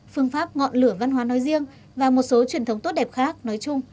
phương pháp ngọn lửa văn hóa nói riêng và một số truyền thống tốt đẹp khác nói chung